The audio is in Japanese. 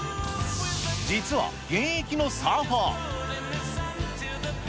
実は現役のサーファー。